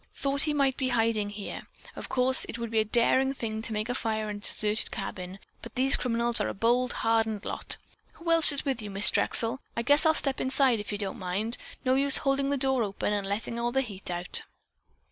Thought he might be hiding here. Of course it would be a daring thing to make a fire in a deserted cabin, but these criminals are a bold, hardened lot. Who else is with you, Miss Drexel? I guess I'll step inside, if you don't mind. No use holding the door open and letting the heat all out."